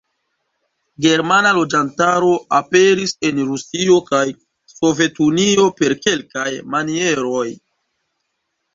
Germana loĝantaro aperis en Rusio kaj Sovetunio per kelkaj manieroj.